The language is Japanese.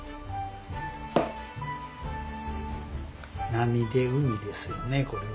波で海ですよねこれは。